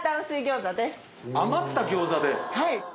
はい。